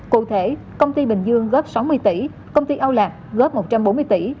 cụ thể công ty bình dương góp sáu mươi tỷ công ty âu lạc góp một trăm bốn mươi tỷ